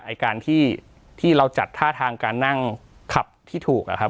ไอ้การที่เราจัดท่าทางการนั่งขับที่ถูกอะครับ